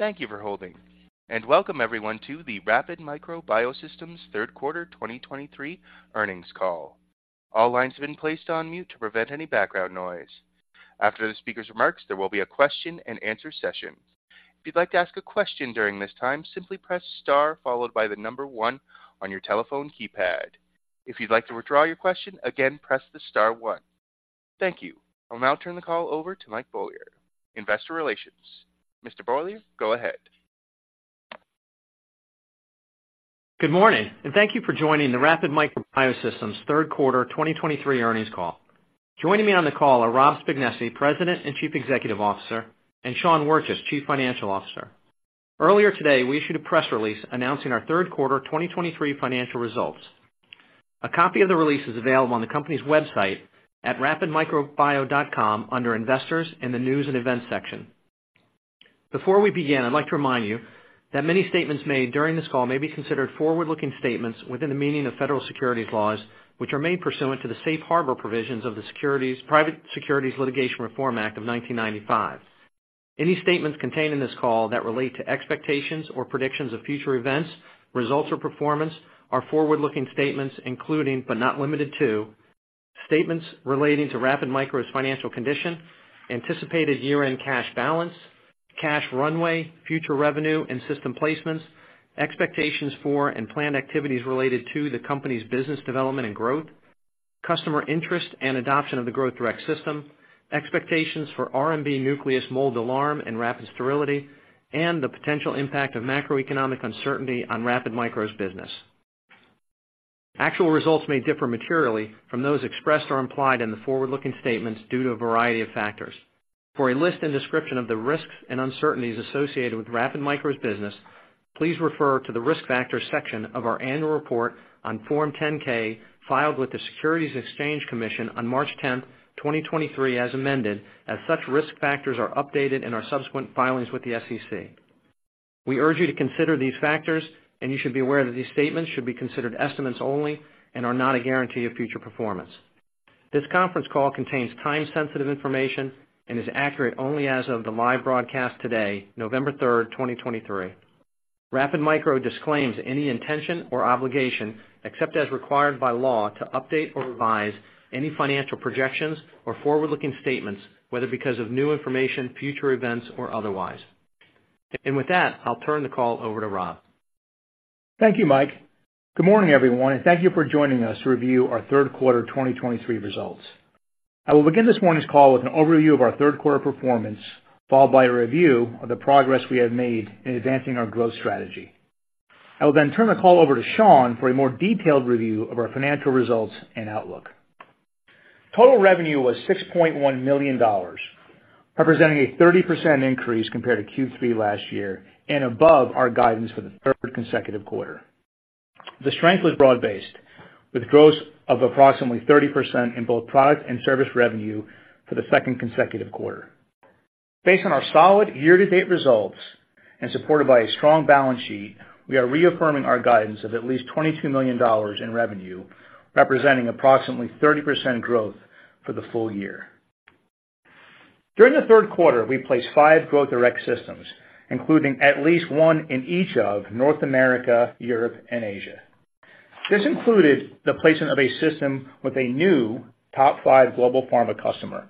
Thank you for holding, and welcome everyone to the Rapid Micro Biosystems third quarter 2023 earnings call. All lines have been placed on mute to prevent any background noise. After the speaker's remarks, there will be a question-and-answer session. If you'd like to ask a question during this time, simply press star followed by the number one on your telephone keypad. If you'd like to withdraw your question again, press the star one. Thank you. I'll now turn the call over to Mike Beaulieu, Investor Relations. Mr. Beaulieu, go ahead. Good morning, and thank you for joining the Rapid Micro Biosystems third quarter 2023 earnings call. Joining me on the call are Rob Spignesi, President and Chief Executive Officer, and Sean Wirtjes, Chief Financial Officer. Earlier today, we issued a press release announcing our third quarter 2023 financial results. A copy of the release is available on the company's website at rapidmicrobio.com under Investors, in the News and Events section. Before we begin, I'd like to remind you that many statements made during this call may be considered forward-looking statements within the meaning of federal securities laws, which are made pursuant to the Safe Harbor provisions of the Private Securities Litigation Reform Act of 1995. Any statements contained in this call that relate to expectations or predictions of future events, results, or performance are forward-looking statements, including but not limited to, statements relating to Rapid Micro's financial condition, anticipated year-end cash balance, cash runway, future revenue and system placements, expectations for and planned activities related to the company's business development and growth, customer interest and adoption of the Growth Direct System, expectations for RMBNucleus Mold Alarm and Rapid Sterility, and the potential impact of macroeconomic uncertainty on Rapid Micro's business. Actual results may differ materially from those expressed or implied in the forward-looking statements due to a variety of factors. For a list and description of the risks and uncertainties associated with Rapid Micro's business, please refer to the Risk Factors section of our annual report on Form 10-K, filed with the Securities and Exchange Commission on March 10, 2023, as amended, as such risk factors are updated in our subsequent filings with the SEC. We urge you to consider these factors, and you should be aware that these statements should be considered estimates only and are not a guarantee of future performance. This conference call contains time-sensitive information and is accurate only as of the live broadcast today, November 3, 2023. Rapid Micro disclaims any intention or obligation, except as required by law, to update or revise any financial projections or forward-looking statements, whether because of new information, future events, or otherwise. With that, I'll turn the call over to Rob. Thank you, Mike. Good morning, everyone, and thank you for joining us to review our third quarter 2023 results. I will begin this morning's call with an overview of our third quarter performance, followed by a review of the progress we have made in advancing our growth strategy. I will then turn the call over to Sean for a more detailed review of our financial results and outlook. Total revenue was $6.1 million, representing a 30% increase compared to Q3 last year and above our guidance for the third consecutive quarter. The strength was broad-based, with growth of approximately 30% in both product and service revenue for the second consecutive quarter. Based on our solid year-to-date results and supported by a strong balance sheet, we are reaffirming our guidance of at least $22 million in revenue, representing approximately 30% growth for the full year. During the third quarter, we placed five Growth Direct Systems, including at least one in each of North America, Europe, and Asia. This included the placement of a system with a new top five global pharma customer.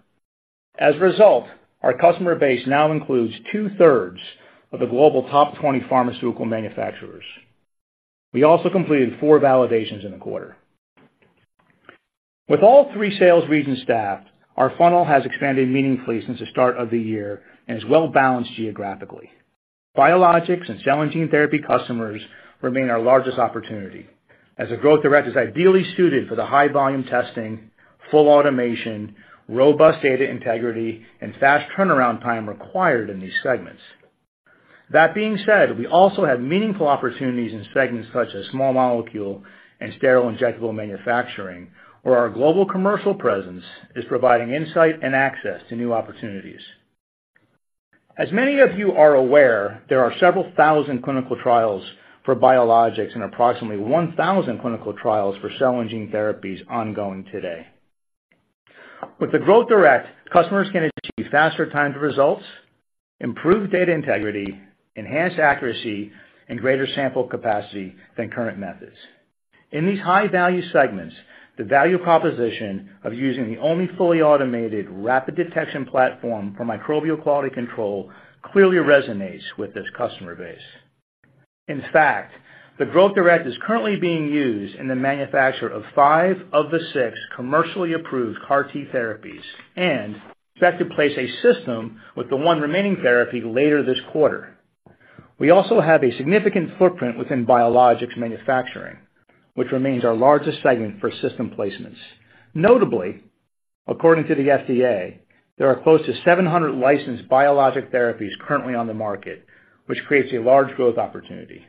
As a result, our customer base now includes two-thirds of the global top 20 pharmaceutical manufacturers. We also completed four validations in the quarter. With all three sales regions staffed, our funnel has expanded meaningfully since the start of the year and is well-balanced geographically. Biologics and cell and gene therapy customers remain our largest opportunity, as the Growth Direct is ideally suited for the high volume testing, full automation, robust data integrity, and fast turnaround time required in these segments. That being said, we also have meaningful opportunities in segments such as small molecule and sterile injectable manufacturing, where our global commercial presence is providing insight and access to new opportunities. As many of you are aware, there are several thousand clinical trials for biologics and approximately 1,000 clinical trials for cell and gene therapies ongoing today. With the Growth Direct, customers can achieve faster time to results, improved data integrity, enhanced accuracy, and greater sample capacity than current methods. In these high-value segments, the value proposition of using the only fully automated, rapid detection platform for microbial quality control clearly resonates with this customer base. In fact, the Growth Direct is currently being used in the manufacture of five of the six commercially approved CAR-T therapies and is set to place a system with the one remaining therapy later this quarter. We also have a significant footprint within biologics manufacturing, which remains our largest segment for system placements. Notably, according to the FDA, there are close to 700 licensed biologic therapies currently on the market, which creates a large growth opportunity.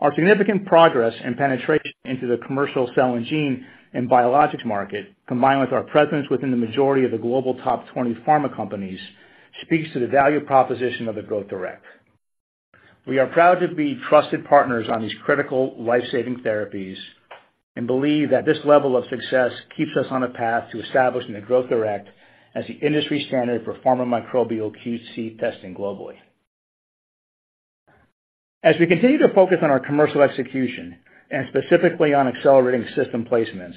Our significant progress and penetration into the commercial cell and gene and biologics market, combined with our presence within the majority of the global top 20 pharma companies, speaks to the value proposition of the Growth Direct... We are proud to be trusted partners on these critical life-saving therapies, and believe that this level of success keeps us on a path to establishing the Growth Direct as the industry standard for pharma-microbial QC testing globally. As we continue to focus on our commercial execution, and specifically on accelerating system placements,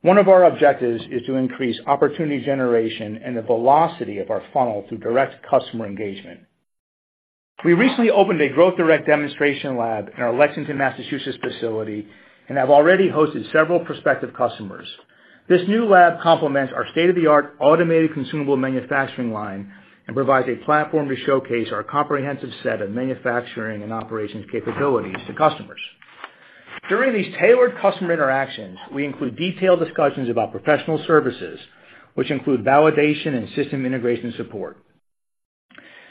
one of our objectives is to increase opportunity generation and the velocity of our funnel through direct customer engagement. We recently opened a Growth Direct demonstration lab in our Lexington, Massachusetts, facility, and have already hosted several prospective customers. This new lab complements our state-of-the-art automated consumable manufacturing line and provides a platform to showcase our comprehensive set of manufacturing and operations capabilities to customers. During these tailored customer interactions, we include detailed discussions about professional services, which include validation and system integration support.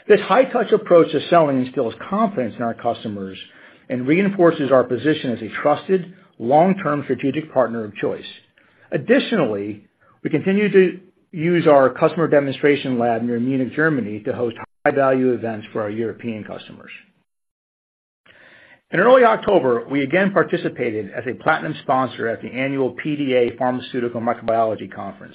This high-touch approach to selling instills confidence in our customers and reinforces our position as a trusted, long-term strategic partner of choice. Additionally, we continue to use our customer demonstration lab near Munich, Germany, to host high-value events for our European customers. In early October, we again participated as a platinum sponsor at the annual PDA Pharmaceutical Microbiology Conference.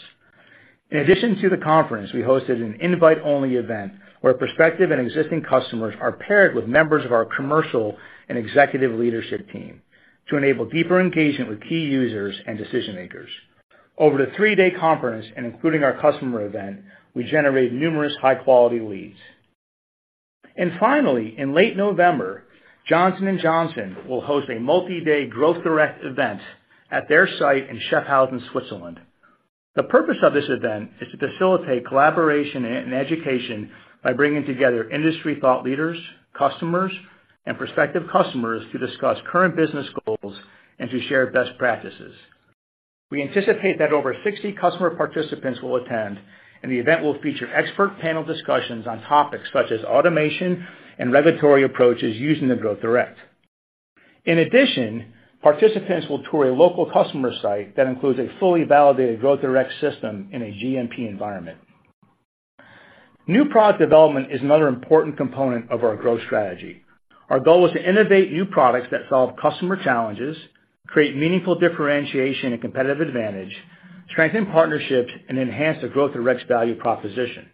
In addition to the conference, we hosted an invite-only event where prospective and existing customers are paired with members of our commercial and executive leadership team to enable deeper engagement with key users and decision makers. Over the three-day conference, and including our customer event, we generated numerous high-quality leads. And finally, in late November, Johnson & Johnson will host a multi-day Growth Direct event at their site in Schaffhausen, Switzerland. The purpose of this event is to facilitate collaboration and education by bringing together industry thought leaders, customers, and prospective customers to discuss current business goals and to share best practices. We anticipate that over 60 customer participants will attend, and the event will feature expert panel discussions on topics such as automation and regulatory approaches using the Growth Direct. In addition, participants will tour a local customer site that includes a fully validated Growth Direct system in a GMP environment. New product development is another important component of our growth strategy. Our goal is to innovate new products that solve customer challenges, create meaningful differentiation and competitive advantage, strengthen partnerships, and enhance the Growth Direct's value proposition.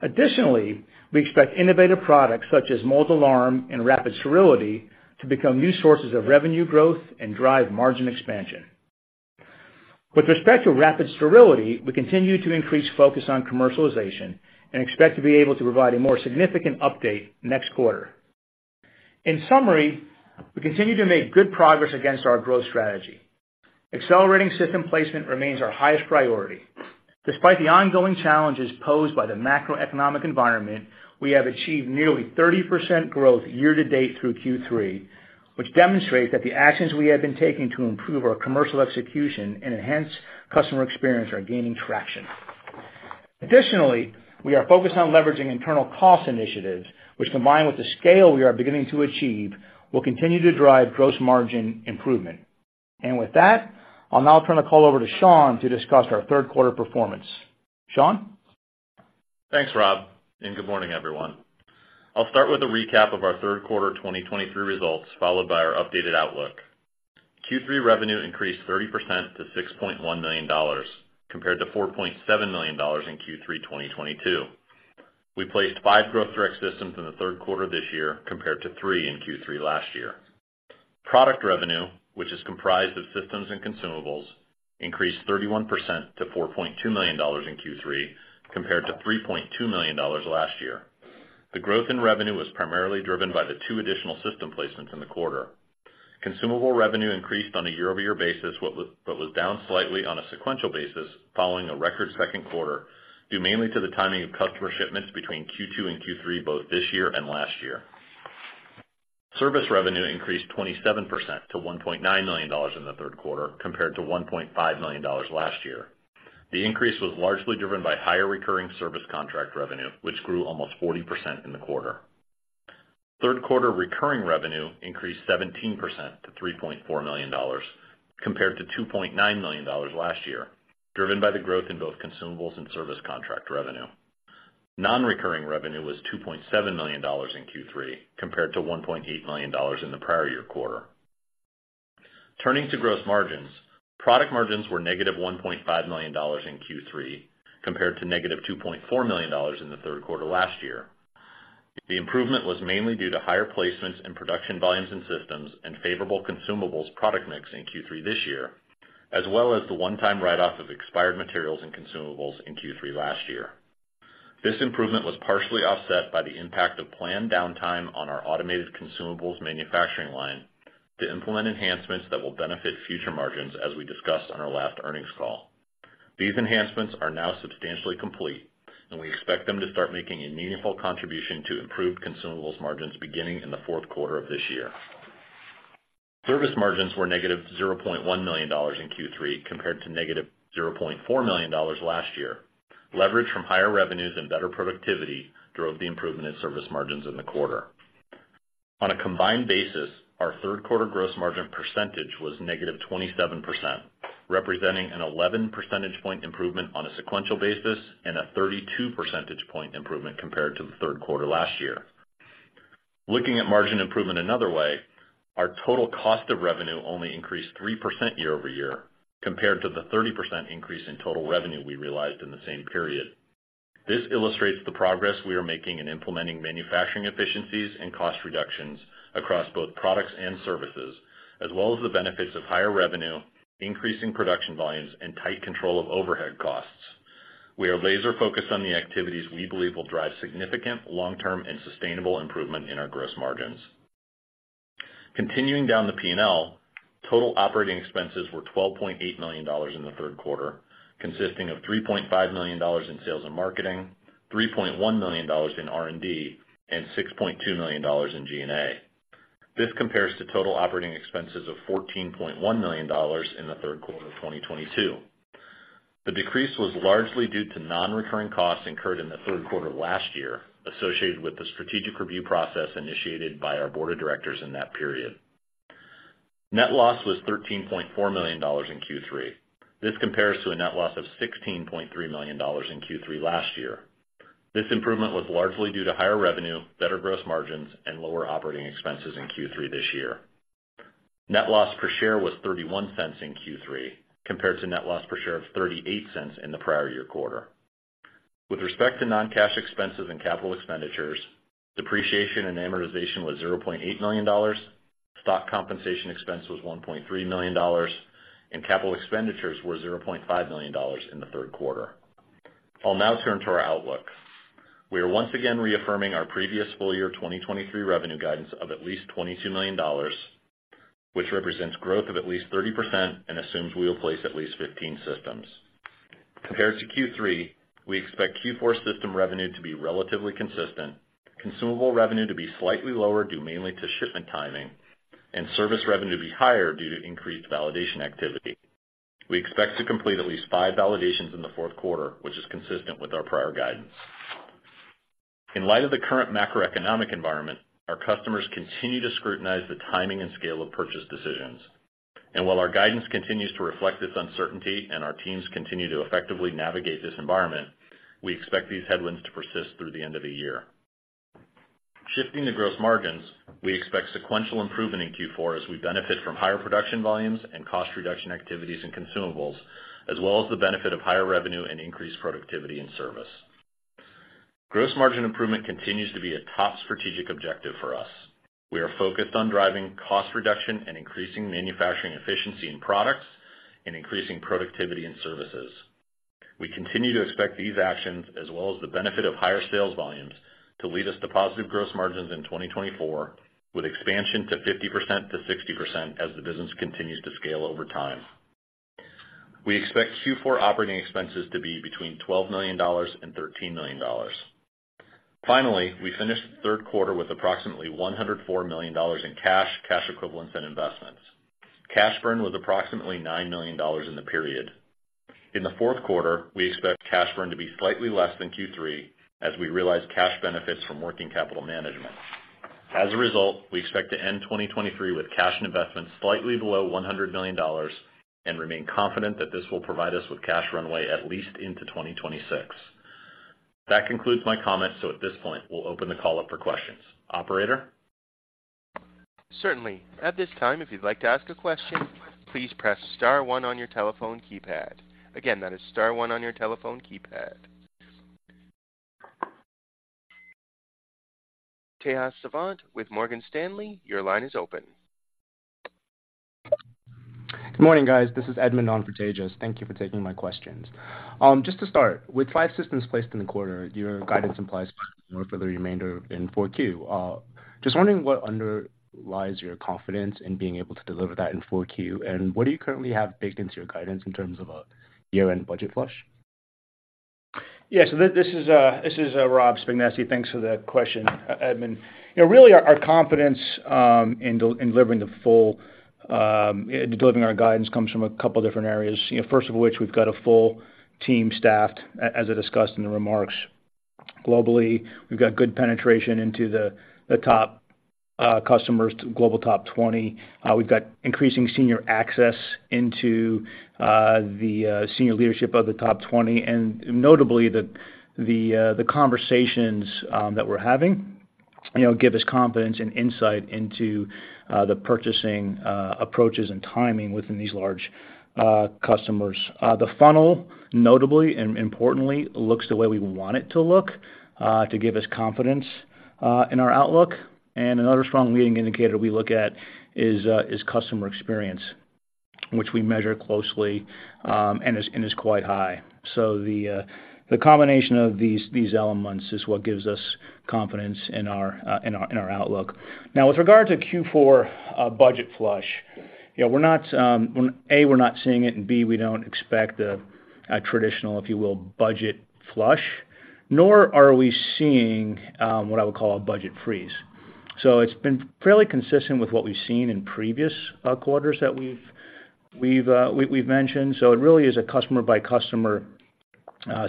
Additionally, we expect innovative products such as Mold Alarm and Rapid Sterility to become new sources of revenue growth and drive margin expansion. With respect to Rapid Sterility, we continue to increase focus on commercialization and expect to be able to provide a more significant update next quarter. In summary, we continue to make good progress against our growth strategy. Accelerating system placement remains our highest priority. Despite the ongoing challenges posed by the macroeconomic environment, we have achieved nearly 30% growth year-to-date through Q3, which demonstrates that the actions we have been taking to improve our commercial execution and enhance customer experience are gaining traction. Additionally, we are focused on leveraging internal cost initiatives, which, combined with the scale we are beginning to achieve, will continue to drive gross margin improvement. And with that, I'll now turn the call over to Sean to discuss our third quarter performance. Sean? Thanks, Rob, and good morning, everyone. I'll start with a recap of our third quarter 2023 results, followed by our updated outlook. Q3 revenue increased 30% to $6.1 million, compared to $4.7 million in Q3 2022. We placed five Growth Direct systems in the third quarter this year, compared to three in Q3 last year. Product revenue, which is comprised of systems and consumables, increased 31% to $4.2 million in Q3, compared to $3.2 million last year. The growth in revenue was primarily driven by the two additional system placements in the quarter. Consumable revenue increased on a year-over-year basis, but was down slightly on a sequential basis following a record second quarter, due mainly to the timing of customer shipments between Q2 and Q3, both this year and last year. Service revenue increased 27% to $1.9 million in the third quarter, compared to $1.5 million last year. The increase was largely driven by higher recurring service contract revenue, which grew almost 40% in the quarter. Third quarter recurring revenue increased 17% to $3.4 million, compared to $2.9 million last year, driven by the growth in both consumables and service contract revenue. Non-recurring revenue was $2.7 million in Q3, compared to $1.8 million in the prior year quarter. Turning to gross margins, product margins were negative $1.5 million in Q3, compared to negative $2.4 million in the third quarter last year. The improvement was mainly due to higher placements and production volumes in systems and favorable consumables product mix in Q3 this year, as well as the one-time write-off of expired materials and consumables in Q3 last year. This improvement was partially offset by the impact of planned downtime on our automated consumables manufacturing line to implement enhancements that will benefit future margins, as we discussed on our last earnings call. These enhancements are now substantially complete, and we expect them to start making a meaningful contribution to improved consumables margins beginning in the fourth quarter of this year. Service margins were -$0.1 million in Q3, compared to -$0.4 million last year. Leverage from higher revenues and better productivity drove the improvement in service margins in the quarter. On a combined basis, our third quarter gross margin percentage was -27%.... representing an 11 percentage point improvement on a sequential basis and a 32 percentage point improvement compared to the third quarter last year. Looking at margin improvement another way, our total cost of revenue only increased 3% year-over-year, compared to the 30% increase in total revenue we realized in the same period. This illustrates the progress we are making in implementing manufacturing efficiencies and cost reductions across both products and services, as well as the benefits of higher revenue, increasing production volumes, and tight control of overhead costs. We are laser focused on the activities we believe will drive significant long-term and sustainable improvement in our gross margins. Continuing down the P&L, total operating expenses were $12.8 million in the third quarter, consisting of $3.5 million in sales and marketing, $3.1 million in R&D, and $6.2 million in G&A. This compares to total operating expenses of $14.1 million in the third quarter of 2022. The decrease was largely due to nonrecurring costs incurred in the third quarter of last year, associated with the strategic review process initiated by our board of directors in that period. Net loss was $13.4 million in Q3. This compares to a net loss of $16.3 million in Q3 last year. This improvement was largely due to higher revenue, better gross margins, and lower operating expenses in Q3 this year. Net loss per share was $0.31 in Q3, compared to net loss per share of $0.38 in the prior year quarter. With respect to non-cash expenses and capital expenditures, depreciation and amortization was $0.8 million, stock compensation expense was $1.3 million, and capital expenditures were $0.5 million in the third quarter. I'll now turn to our outlook. We are once again reaffirming our previous full year 2023 revenue guidance of at least $22 million, which represents growth of at least 30% and assumes we will place at least 15 systems. Compared to Q3, we expect Q4 system revenue to be relatively consistent, consumable revenue to be slightly lower, due mainly to shipment timing, and service revenue to be higher due to increased validation activity. We expect to complete at least five validations in the fourth quarter, which is consistent with our prior guidance. In light of the current macroeconomic environment, our customers continue to scrutinize the timing and scale of purchase decisions. And while our guidance continues to reflect this uncertainty and our teams continue to effectively navigate this environment, we expect these headwinds to persist through the end of the year. Shifting to gross margins, we expect sequential improvement in Q4 as we benefit from higher production volumes and cost reduction activities and consumables, as well as the benefit of higher revenue and increased productivity in service. Gross margin improvement continues to be a top strategic objective for us. We are focused on driving cost reduction and increasing manufacturing efficiency in products and increasing productivity in services. We continue to expect these actions, as well as the benefit of higher sales volumes, to lead us to positive gross margins in 2024, with expansion to 50%-60% as the business continues to scale over time. We expect Q4 operating expenses to be between $12 million and $13 million. Finally, we finished the third quarter with approximately $104 million in cash, cash equivalents, and investments. Cash burn was approximately $9 million in the period. In the fourth quarter, we expect cash burn to be slightly less than Q3 as we realize cash benefits from working capital management. As a result, we expect to end 2023 with cash and investments slightly below $100 million and remain confident that this will provide us with cash runway at least into 2026. That concludes my comments. At this point, we'll open the call up for questions. Operator? Certainly. At this time, if you'd like to ask a question, please press star one on your telephone keypad. Again, that is star one on your telephone keypad. Tejas Savant with Morgan Stanley, your line is open. Good morning, guys. This is Edmund on for Tejas. Thank you for taking my questions. Just to start, with five systems placed in the quarter, your guidance implies more for the remainder in Q4. Just wondering what underlies your confidence in being able to deliver that in Q4? And what do you currently have baked into your guidance in terms of a year-end budget flush? Yes, so this is Rob Spignesi. Thanks for the question, Edmund. You know, really, our confidence in delivering the full delivering our guidance comes from a couple different areas, you know, first of which, we've got a full team staffed as I discussed in the remarks. Globally, we've got good penetration into the top customers, global top 20. We've got increasing senior access into the senior leadership of the top 20, and notably, the conversations that we're having, you know, give us confidence and insight into the purchasing approaches and timing within these large customers. The funnel, notably and importantly, looks the way we want it to look to give us confidence in our outlook. Another strong leading indicator we look at is customer experience, which we measure closely, and is quite high. So the combination of these elements is what gives us confidence in our outlook. Now, with regard to Q4 budget flush, you know, we're not—A, we're not seeing it, and B, we don't expect a traditional, if you will, budget flush, nor are we seeing what I would call a budget freeze. So it's been fairly consistent with what we've seen in previous quarters that we've mentioned. So it really is a customer by customer, ...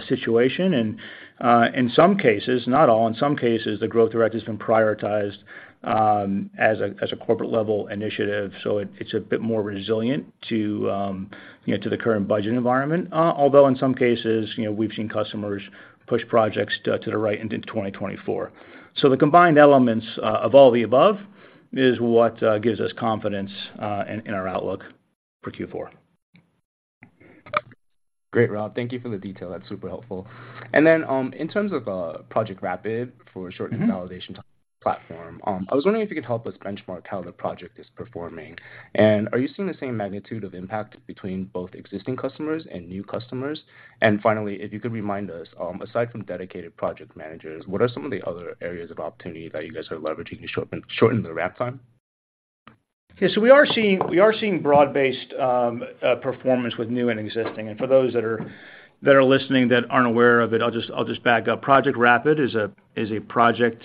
situation. And in some cases, not all, in some cases, the growth rate has been prioritized as a corporate level initiative. So it, it's a bit more resilient to, you know, to the current budget environment. Although in some cases, you know, we've seen customers push projects to the right into 2024. So the combined elements of all the above is what gives us confidence in our outlook for Q4. Great, Rob. Thank you for the detail. That's super helpful. And then, in terms of Project Rapid for shortened- Mm-hmm... validation platform, I was wondering if you could help us benchmark how the project is performing. Are you seeing the same magnitude of impact between both existing customers and new customers? Finally, if you could remind us, aside from dedicated project managers, what are some of the other areas of opportunity that you guys are leveraging to shorten the ramp time? Okay, so we are seeing broad-based performance with new and existing. And for those that are listening that aren't aware of it, I'll just back up. Project Rapid is a project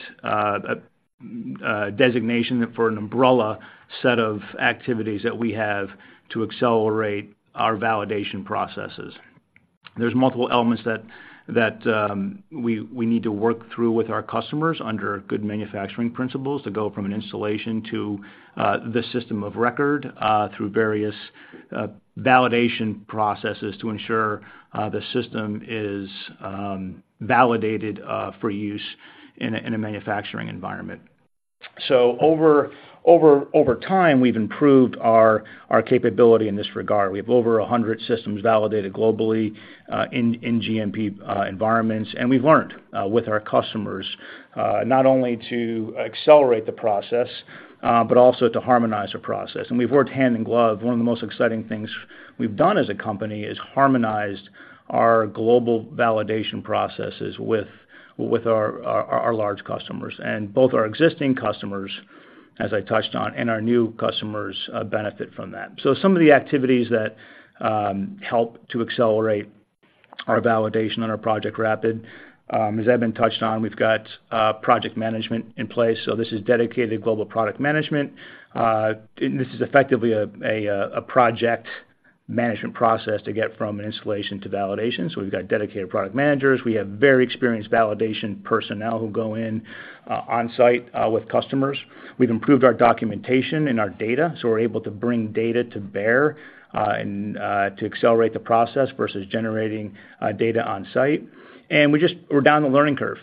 designation for an umbrella set of activities that we have to accelerate our validation processes. There's multiple elements that we need to work through with our customers under good manufacturing principles, to go from an installation to the system of record through various validation processes to ensure the system is validated for use in a manufacturing environment. So over time, we've improved our capability in this regard. We have over 100 systems validated globally in GMP environments, and we've learned with our customers not only to accelerate the process but also to harmonize the process. We've worked hand in glove. One of the most exciting things we've done as a company is harmonized our global validation processes with our large customers. Both our existing customers, as I touched on, and our new customers benefit from that. Some of the activities that help to accelerate our validation on our Project Rapid, as Edmund touched on, we've got project management in place, so this is dedicated global product management. And this is effectively a project management process to get from an installation to validation. We've got dedicated product managers. We have very experienced validation personnel who go in on-site with customers. We've improved our documentation and our data, so we're able to bring data to bear and to accelerate the process versus generating data on-site. And we're down the learning curve.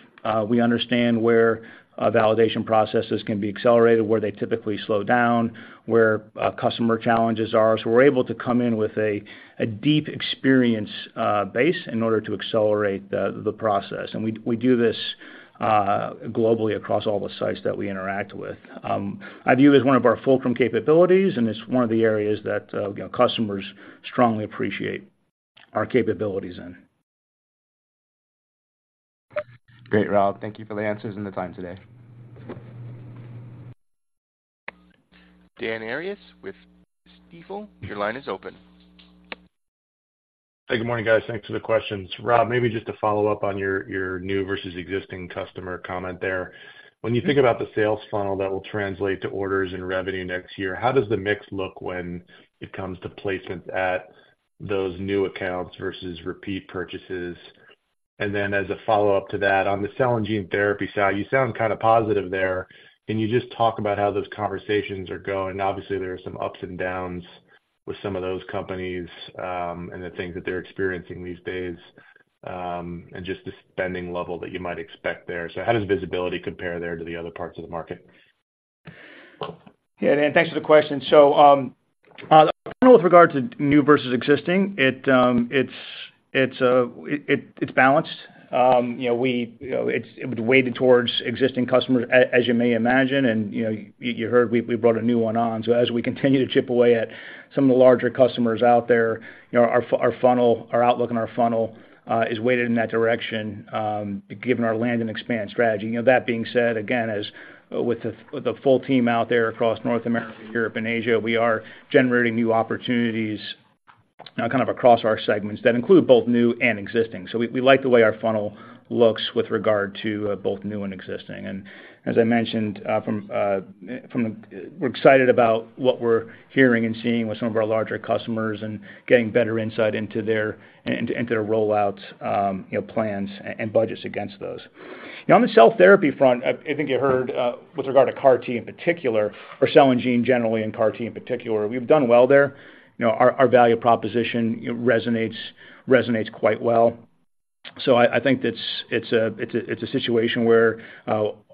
We understand where validation processes can be accelerated, where they typically slow down, where customer challenges are. So we're able to come in with a deep experience base in order to accelerate the process. And we do this globally across all the sites that we interact with. I view it as one of our fulcrum capabilities, and it's one of the areas that you know, customers strongly appreciate our capabilities in. Great, Rob. Thank you for the answers and the time today. Dan Arias with Stifel, your line is open. Hey, good morning, guys. Thanks for the questions. Rob, maybe just to follow up on your new versus existing customer comment there. Mm-hmm. When you think about the sales funnel that will translate to orders and revenue next year, how does the mix look when it comes to placements at those new accounts versus repeat purchases? And then, as a follow-up to that, on the cell and gene therapy side, you sound kind of positive there. Can you just talk about how those conversations are going? Obviously, there are some ups and downs with some of those companies, and the things that they're experiencing these days, and just the spending level that you might expect there. So how does visibility compare there to the other parts of the market? Yeah, Dan, thanks for the question. So, with regard to new versus existing, it's balanced. You know, we, you know, it's weighted towards existing customers, as you may imagine, and, you know, you, you heard we, we brought a new one on. So as we continue to chip away at some of the larger customers out there, you know, our funnel, our outlook and our funnel, is weighted in that direction, given our land and expand strategy. You know, that being said, again, as with the full team out there across North America, Europe, and Asia, we are generating new opportunities, kind of across our segments that include both new and existing. So we, we like the way our funnel looks with regard to, both new and existing. As I mentioned, we're excited about what we're hearing and seeing with some of our larger customers and getting better insight into their rollouts, you know, plans and budgets against those. You know, on the cell therapy front, I think you heard with regard to CAR-T in particular, or cell and gene generally, and CAR-T in particular, we've done well there. You know, our value proposition resonates quite well. So I think that's a situation where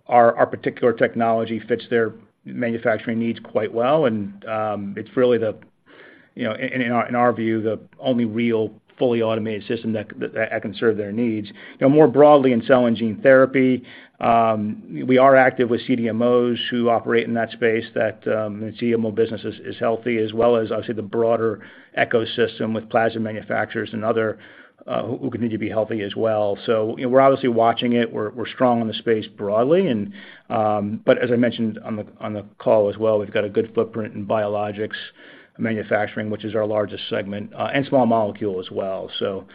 our particular technology fits their manufacturing needs quite well. And it's really the, you know, in our view, the only real fully automated system that can serve their needs. You know, more broadly, in cell and gene therapy, we are active with CDMOs who operate in that space, that CDMO business is healthy, as well as obviously the broader ecosystem with plasma manufacturers and other who continue to be healthy as well. So, you know, we're obviously watching it. We're strong in the space broadly and but as I mentioned on the call as well, we've got a good footprint in biologics manufacturing, which is our largest segment, and small molecule as well. So,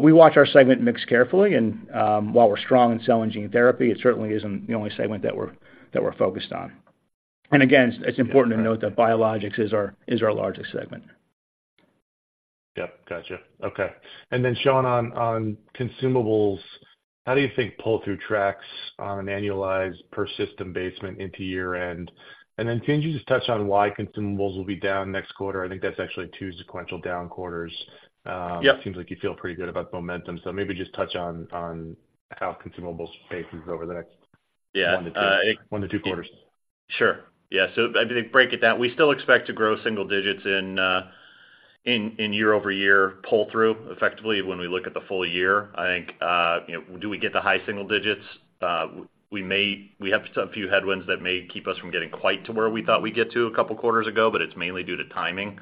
we watch our segment mix carefully, and while we're strong in cell and gene therapy, it certainly isn't the only segment that we're focused on. And again, it's important to note that biologics is our largest segment. Yep, gotcha. Okay. And then, Sean, on, on consumables, how do you think pull-through tracks on an annualized per system basis into year-end? And then can you just touch on why consumables will be down next quarter? I think that's actually two sequential down quarters. Yep. It seems like you feel pretty good about the momentum, so maybe just touch on how consumables face over the next- Yeah, uh- 1-2 quarters. Sure. Yeah, so I break it down. We still expect to grow single digits in year-over-year pull-through, effectively, when we look at the full year. I think, you know, do we get to high single digits? We may—we have a few headwinds that may keep us from getting quite to where we thought we'd get to a couple of quarters ago, but it's mainly due to timing.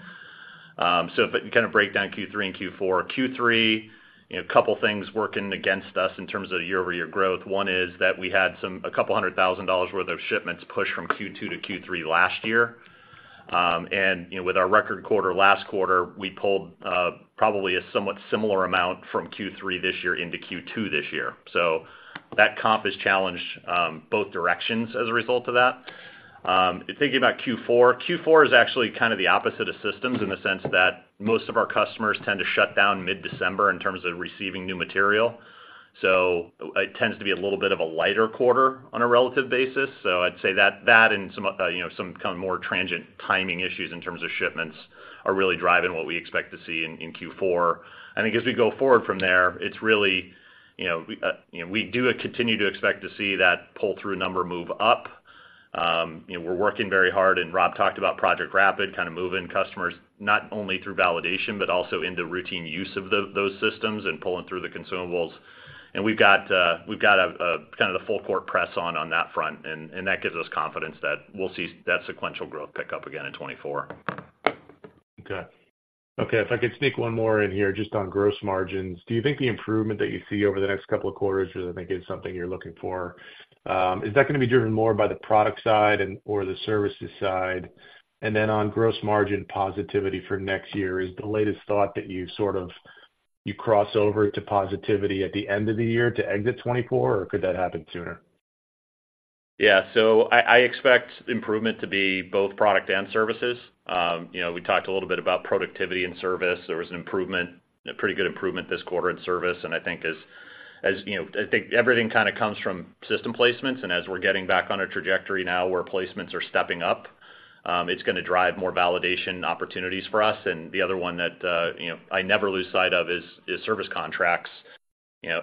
So if you kind of break down Q3 and Q4. Q3, you know, a couple of things working against us in terms of the year-over-year growth. One is that we had some $200,000 worth of shipments pushed from Q2 to Q3 last year. And, you know, with our record quarter last quarter, we pulled probably a somewhat similar amount from Q3 this year into Q2 this year. So that comp is challenged both directions as a result of that. Thinking about Q4, Q4 is actually kind of the opposite of systems in the sense that most of our customers tend to shut down mid-December in terms of receiving new material. So it tends to be a little bit of a lighter quarter on a relative basis. So I'd say that, that and some, you know, some kind of more transient timing issues in terms of shipments are really driving what we expect to see in, in Q4. I think as we go forward from there, it's really, you know, you know, we do continue to expect to see that pull-through number move up. You know, we're working very hard, and Rob talked about Project Rapid, kind of moving customers not only through validation, but also in the routine use of those systems and pulling through the consumables. And we've got a kind of the full court press on that front, and that gives us confidence that we'll see that sequential growth pick up again in 2024. Okay. Okay, if I could sneak one more in here, just on gross margins. Do you think the improvement that you see over the next couple of quarters, which I think is something you're looking for, is that going to be driven more by the product side and/or the services side? And then on gross margin positivity for next year, is the latest thought that you sort of, you cross over to positivity at the end of the year to exit 2024, or could that happen sooner? Yeah. So I expect improvement to be both product and services. You know, we talked a little bit about productivity and service. There was an improvement, a pretty good improvement this quarter in service, and I think as you know, I think everything kind of comes from system placements. And as we're getting back on a trajectory now where placements are stepping up, it's going to drive more validation opportunities for us. And the other one that you know, I never lose sight of is service contracts. You know,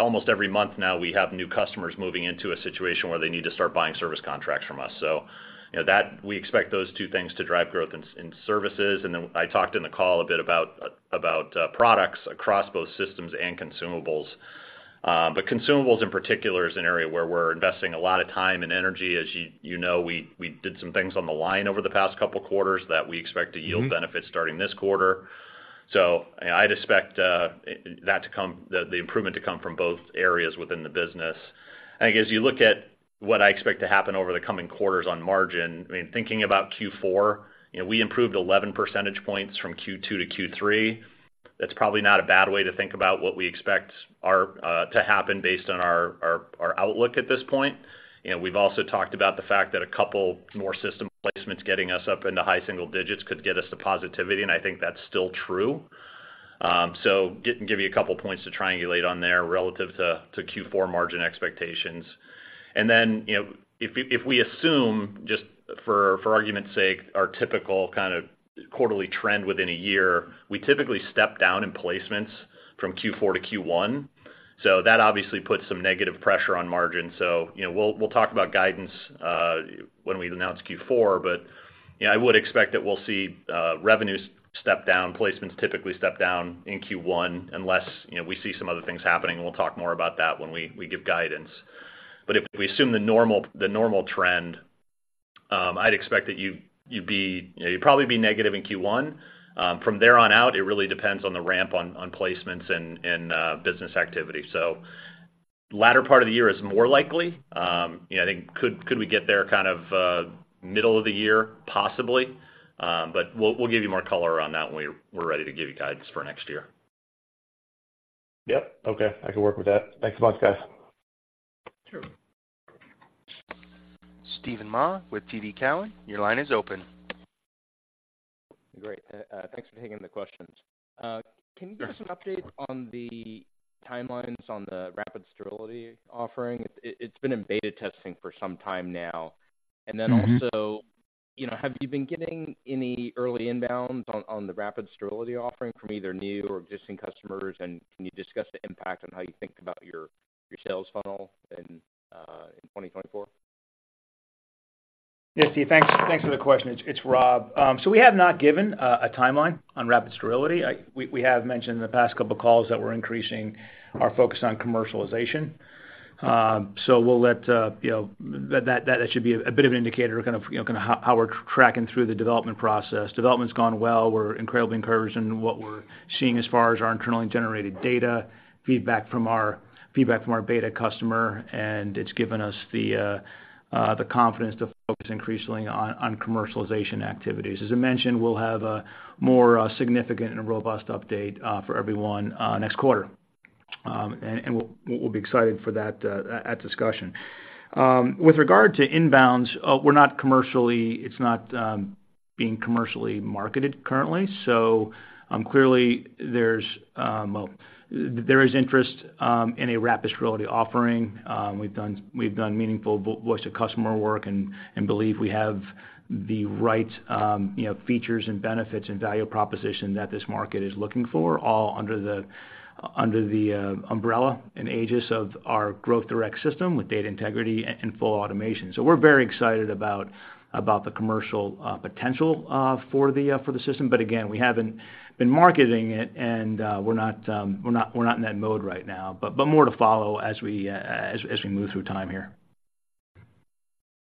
almost every month now, we have new customers moving into a situation where they need to start buying service contracts from us. So you know, that, we expect those two things to drive growth in services. And then I talked in the call a bit about products across both systems and consumables. But consumables, in particular, is an area where we're investing a lot of time and energy. As you know, we did some things on the line over the past couple of quarters that we expect to yield- Mm-hmm... benefits starting this quarter. So I'd expect that to come, the improvement to come from both areas within the business. I think as you look at what I expect to happen over the coming quarters on margin, I mean, thinking about Q4, you know, we improved 11 percentage points from Q2 to Q3. That's probably not a bad way to think about what we expect to happen based on our outlook at this point. You know, we've also talked about the fact that a couple more system placements getting us up into high single digits could get us to positivity, and I think that's still true. So give you a couple of points to triangulate on there relative to Q4 margin expectations. Then, you know, if we assume, just for argument's sake, our typical kind of quarterly trend within a year, we typically step down in placements from Q4 to Q1. So that obviously puts some negative pressure on margin. So, you know, we'll talk about guidance when we announce Q4, but, you know, I would expect that we'll see revenues step down. Placements typically step down in Q1 unless, you know, we see some other things happening, and we'll talk more about that when we give guidance. But if we assume the normal, the normal trend, I'd expect that you'd be... You'd probably be negative in Q1. From there on out, it really depends on the ramp on placements and business activity. So latter part of the year is more likely. You know, I think, could we get there kind of middle of the year? Possibly. But we'll give you more color around that when we're ready to give you guidance for next year. Yep. Okay, I can work with that. Thanks a bunch, guys. Sure. Steven Mah with TD Cowen, your line is open. Great. Thanks for taking the questions. Can you give us an update on the timelines on the Rapid Sterility offering? It's been in beta testing for some time now. Mm-hmm. And then also, you know, have you been getting any early inbounds on, on the Rapid Sterility offering from either new or existing customers? And can you discuss the impact on how you think about your, your sales funnel in, uh, in 2024? Yeah, Steve, thanks. Thanks for the question. It's, it's Rob. So we have not given, uh, a timeline on Rapid Sterility. I-- we, we have mentioned in the past couple of calls that we're increasing our focus on commercialization. So we'll let, uh, you know, that, that, that should be a bit of an indicator of kind of, you know, kind of how, how we're tracking through the development process. Development's gone well. We're incredibly encouraged in what we're seeing as far as our internally generated data, feedback from our beta customer, and it's given us the confidence to focus increasingly on commercialization activities. As I mentioned, we'll have a more significant and robust update for everyone next quarter. And we'll be excited for that at discussion. With regard to inbounds, we're not commercially—it's not being commercially marketed currently, so clearly, there's well, there is interest in a Rapid Sterility offering. We've done meaningful voice-of-customer work and believe we have the right, you know, features and benefits and value proposition that this market is looking for, all under the umbrella and aegis of our Growth Direct system, with data integrity and full automation. So we're very excited about the commercial potential for the system. But again, we haven't been marketing it, and we're not in that mode right now. But more to follow as we move through time here.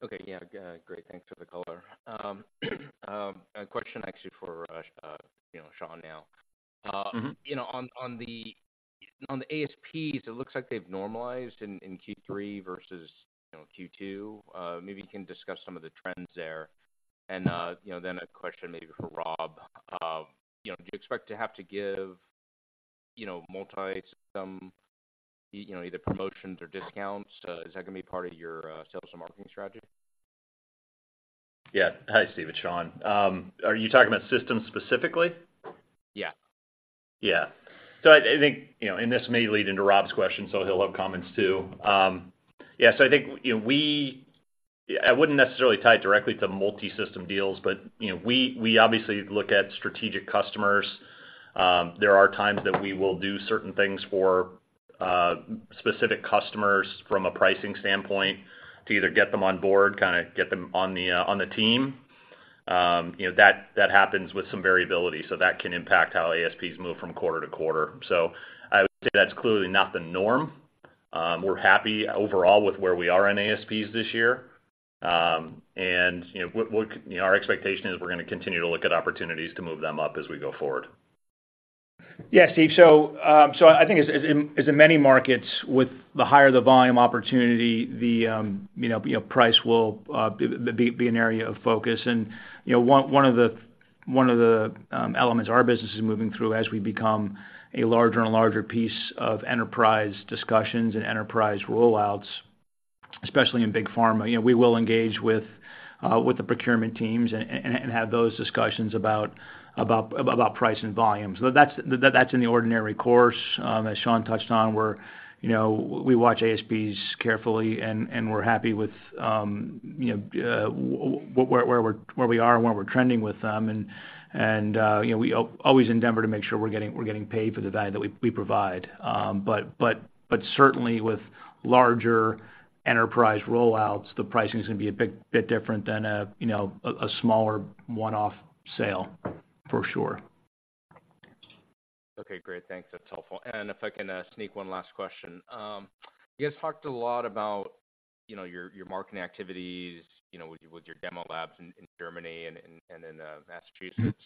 Okay. Yeah, great. Thanks for the color. A question actually for, you know, Sean now. Mm-hmm. You know, on the ASPs, it looks like they've normalized in Q3 versus, you know, Q2. Maybe you can discuss some of the trends there. You know, then a question maybe for Rob: You know, do you expect to have to give, you know, multisystem, you know, either promotions or discounts? Is that gonna be part of your sales and marketing strategy? Yeah. Hi, Steve, it's Sean. Are you talking about systems specifically? Yeah. Yeah. So I think, you know, and this may lead into Rob's question, so he'll have comments too. Yeah, so I think, you know, we... I wouldn't necessarily tie it directly to multisystem deals, but, you know, we obviously look at strategic customers. There are times that we will do certain things for specific customers from a pricing standpoint, to either get them on board, kinda get them on the team. You know, that happens with some variability, so that can impact how ASPs move from quarter to quarter. So I would say that's clearly not the norm. We're happy overall with where we are in ASPs this year. And, you know, our expectation is we're gonna continue to look at opportunities to move them up as we go forward. Yeah, Steve. So, so I think as, as in, as in many markets, with the higher the volume opportunity, the, you know, you know, price will, be, be an area of focus. And, you know, one, one of the, one of the, elements our business is moving through as we become a larger and larger piece of enterprise discussions and enterprise rollouts, especially in big pharma, you know, we will engage with, with the procurement teams and, and, and have those discussions about, about, about price and volumes. But that's, that's in the ordinary course. As Sean touched on, we're, you know, we watch ASPs carefully, and, and we're happy with, you know, where we're, where we are and where we're trending with them. You know, we always endeavor to make sure we're getting paid for the value that we provide. But certainly with larger enterprise rollouts, the pricing is gonna be a bit different than a, you know, a smaller one-off sale, for sure. Okay, great. Thanks. That's helpful. And if I can sneak one last question: You guys talked a lot about, you know, your, your marketing activities, you know, with your, with your demo labs in, in Germany and, and in Massachusetts.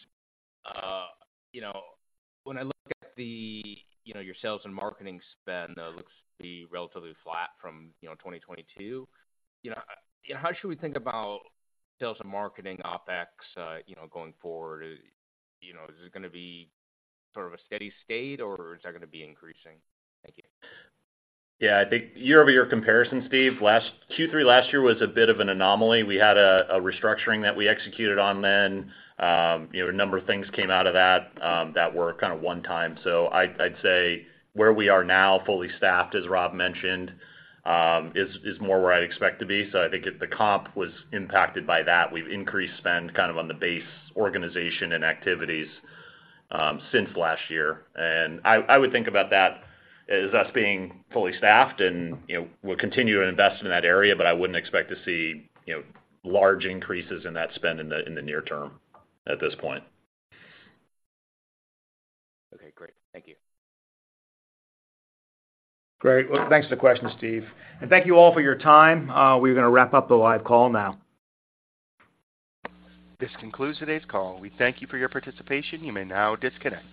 You know, when I look at the, you know, your sales and marketing spend, looks to be relatively flat from, you know, 2022, you know, how should we think about sales and marketing OpEx, you know, going forward? You know, is it gonna be sort of a steady state, or is that gonna be increasing? Thank you. Yeah, I think year-over-year comparison, Steve, last Q3 last year was a bit of an anomaly. We had a restructuring that we executed on then. You know, a number of things came out of that that were kind of one time. So I'd say where we are now, fully staffed, as Rob mentioned, is more where I'd expect to be. So I think if the comp was impacted by that, we've increased spend kind of on the base organization and activities since last year. And I would think about that as us being fully staffed and, you know, we'll continue to invest in that area, but I wouldn't expect to see, you know, large increases in that spend in the near term at this point. Okay, great. Thank you. Great. Well, thanks for the question, Steve, and thank you all for your time. We're gonna wrap up the live call now. This concludes today's call. We thank you for your participation. You may now disconnect.